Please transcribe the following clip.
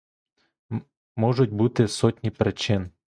Можуть бути сотні причин.